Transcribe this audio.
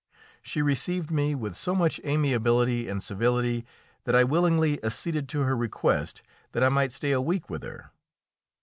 She received me with so much amiability and civility that I willingly acceded to her request that I might stay a week with her.